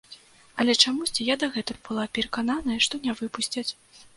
Але чамусьці я дагэтуль была перакананая, што не выпусцяць.